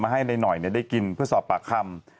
ให้นายหน่อยได้กินเพื่อสอบปากคำ